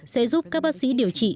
sẽ giúp các bác sĩ điều trị